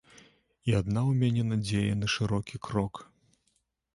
І адна ў мяне надзея на шырокі крок.